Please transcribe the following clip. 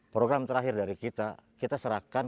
program terakhir dari kita kita serahkan